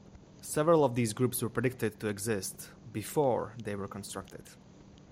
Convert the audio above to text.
Several of these groups were predicted to exist before they were constructed.